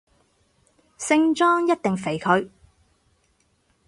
聖莊一定肥佢